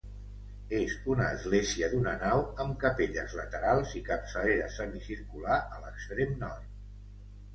És una església d'una nau amb capelles laterals i capçalera semicircular a l'extrem nord.